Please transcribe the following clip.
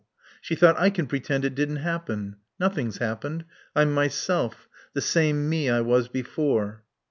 She thought: "I can pretend it didn't happen. Nothing's happened. I'm myself. The same me I was before."